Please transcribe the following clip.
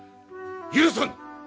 許さぬ！